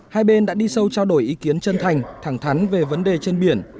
hai bên đã đi sâu trao đổi ý kiến chân thành thẳng thắn về vấn đề trên biển